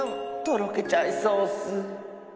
とろけちゃいそうッス。